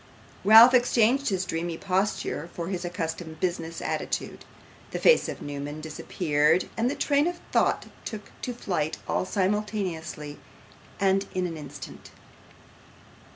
Ralph exchanged his dreamy posture for his accustomed business attitude: the face of Newman disappeared, and the train of thought took to flight, all simultaneously, and in an instant.